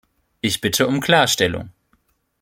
Ich bitte um Klarstellung.